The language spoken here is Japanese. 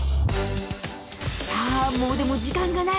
さあもうでも時間がない！